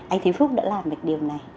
anh thúy phúc đã làm được điều này